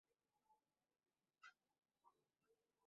সাথে থাকা নারীগণ তাকে পানি পান করায়, ক্ষত পরিস্কার করে।